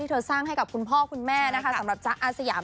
สร้างให้กับคุณพ่อคุณแม่นะคะสำหรับจ๊ะอาสยาม